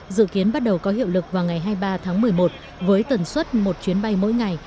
dự kiến bắt đầu có hiệu lực vào ngày hai mươi ba tháng một mươi một với tần suất một chuyến bay mỗi ngày